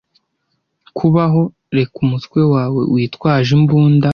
Kubaho; reka umutwe wawe witwaje imbunda